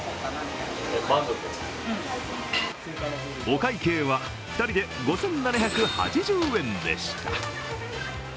お会計は２人で５７８０円でした。